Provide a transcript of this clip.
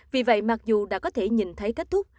vì vậy mặc dù đã có thể nhìn thấy kết thúc